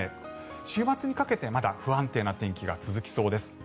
週末にかけて、まだ不安定な天気が続きそうです。